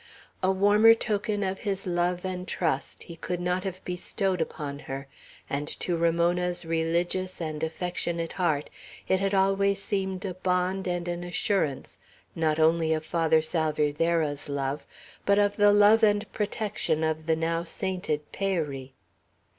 A warmer token of his love and trust he could not have bestowed upon her, and to Ramona's religious and affectionate heart it had always seemed a bond and an assurance, not only of Father Salvierderra's love, but of the love and protection of the now sainted Peyri.